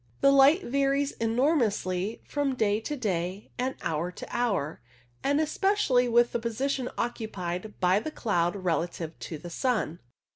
The light varies enormously from day to day, and hour to hour, and especially with the position occupied by the cloud relative to the sun.